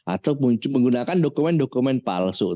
atau menggunakan dokumen dokumen palsu